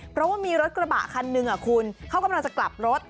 เพราะว่ามีรถกระบะคันหนึ่งคุณเขากำลังจะกลับรถ